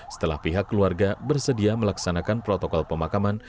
setelah pihak keluarga bersedia melaksanakan protokol pemakaman